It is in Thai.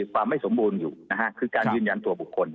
ความไม่สมบูรณ์อยู่นะฮะคือการยืนยันตัวบุคคล